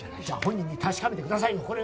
じゃあ本人に確かめてくださいよ